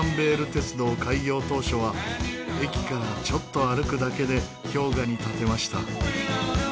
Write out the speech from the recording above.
鉄道開業当初は駅からちょっと歩くだけで氷河に立てました。